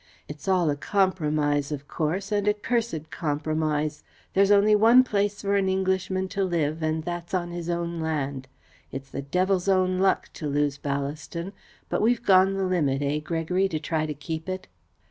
It's all a compromise, of course, and a cursed compromise. There's only one place for an Englishman to live, and that's on his own land. It's the devil's own luck to lose Ballaston, but we've gone the limit, eh, Gregory, to try to keep it?"